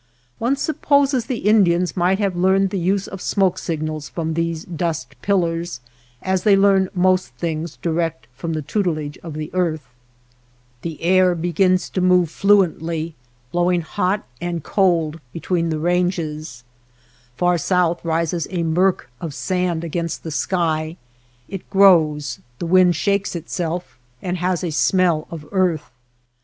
One supposes the Indians might have learned the use of smoke signals from these dust pillars as they learn most things direct from the tutelage of the earth. The air begins to move fluently, blowing hot 258 NURSLINGS OF THE SKY and cold between the ranges. Far south rises a murk of sand against the sky; it grows, the wind shakes itself, and has a smell of earth.